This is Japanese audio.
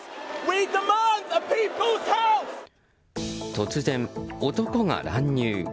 突然、男が乱入。